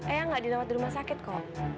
eh nggak dirawat di rumah sakit kok